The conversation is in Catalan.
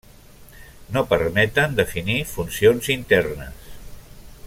No permeten definir funcions internes.